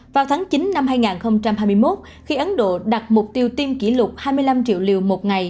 vào tháng chín năm hai nghìn hai mươi một khi ấn độ đặt mục tiêu tiêm kỷ lục hai mươi năm triệu liều một ngày